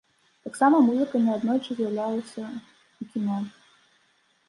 Таксама музыка неаднойчы з'яўляўся ў кіно.